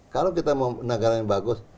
kalau kita mau negara yang bagus